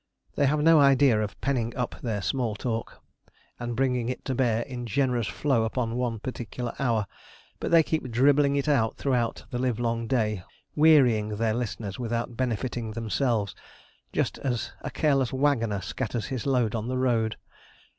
They have no idea of penning up their small talk, and bringing it to bear in generous flow upon one particular hour; but they keep dribbling it out throughout the live long day, wearying their listeners without benefiting themselves just as a careless waggoner scatters his load on the road.